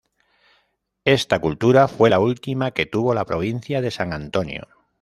Esta cultura fue la última que tuvo la provincia de San Antonio.